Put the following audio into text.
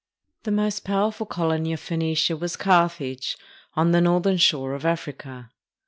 The most powerful colony of Phoenicia was Carthage, on the northern shore of Africa.